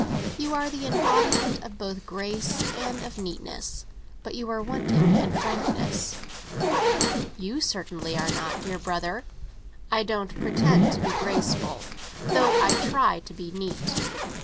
You are the embodiment both of grace and of neatness; but you are wanting in frankness." "You certainly are not, dear brother." "I don't pretend to be graceful, though I try to be neat.